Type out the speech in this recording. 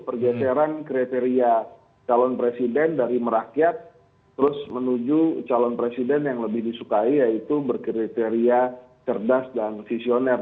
pergeseran kriteria calon presiden dari merakyat terus menuju calon presiden yang lebih disukai yaitu berkriteria cerdas dan visioner